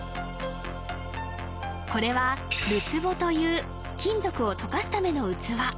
これはるつぼという金属を溶かすための器